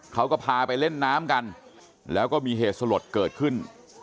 เขาก็พาไปเล่นน้ำกันแล้วก็มีเหตุสลดเกิดขึ้น